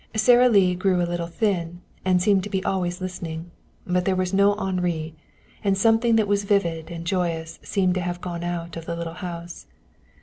Sara Lee grew a little thin, and seemed to be always listening. But there was no Henri, and something that was vivid and joyous seemed to have gone out of the little house.